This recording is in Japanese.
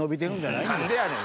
何でやねん。